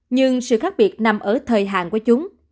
nhưng sự khác biệt nằm ở thời hạn của chúng